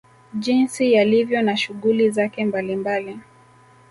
Jinsi yalivyo na shughuli zake mbali mbali